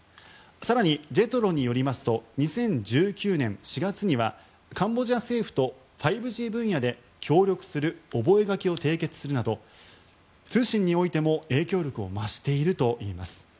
更にＪＥＴＲＯによりますと２０１９年４月にはカンボジア政府と５Ｇ分野で協力する覚書を締結するなど通信においても影響力を増しているといいます。